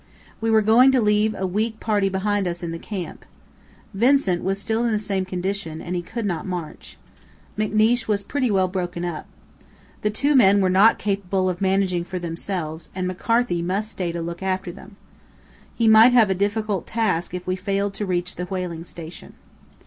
We were going to leave a weak party behind us in the camp. Vincent was still in the same condition, and he could not march. McNeish was pretty well broken up. The two men were not capable of managing for themselves and McCarthy must stay to look after them. He might have a difficult task if we failed to reach the whaling station.